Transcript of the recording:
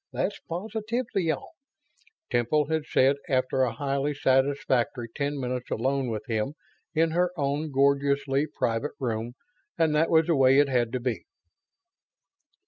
That's positively all," Temple had said, after a highly satisfactory ten minutes alone with him in her own gloriously private room, and that was the way it had to be.